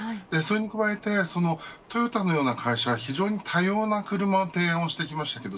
それに加えてトヨタのような会社は非常に多様な車を提案してきました。